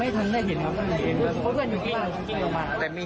แต่มีหินอิ่นครับอุบี้กว่านี้